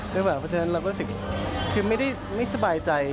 เพราะฉะนั้นเรารู้สึกคือไม่ได้ไม่สบายใจ